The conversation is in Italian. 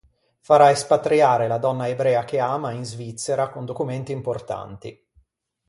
Farà espatriare la donna ebrea che ama in Svizzera con documenti importanti.